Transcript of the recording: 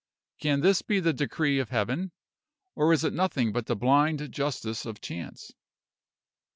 Can this be the decree of Heaven or is it nothing but the blind justice of chance?"